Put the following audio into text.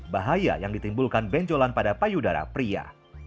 bahaya yang ditimbulkan benjolan pada payudara pria